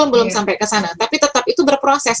belum sampai kesana tapi tetap itu berproses